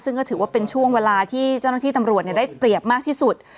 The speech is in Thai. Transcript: ซึ่งก็ถือว่าเป็นช่วงเวลาที่เจ้าหน้าที่ตำรวจได้เปรียบมากที่สุด